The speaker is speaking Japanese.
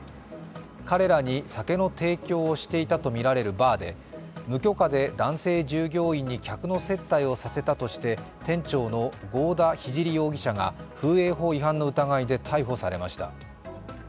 彼らに酒の提供をしていたとみられるバーで無許可で男性従業員に客の接待をさせたとして店長の郷田聖容疑者が風営法違反の疑いで逮捕されました。